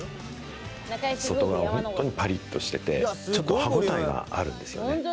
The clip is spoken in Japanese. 外側が本当にパリッとしてて歯ごたえがあるんですよね。